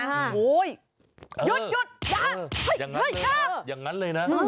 โอ้โฮหยุดอย่างนั้นเลยนะ